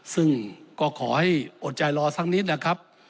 ซึ่งก็ขอให้อดใจรอสักนิดนะครับ